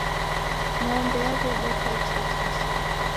Ng'ombe yaw'edoka ichokisha.